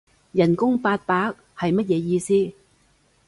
人工八百？係乜嘢意思？